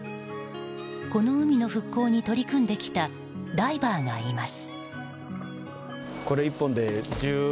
この海の復興に取り組んできたダイバーがいます。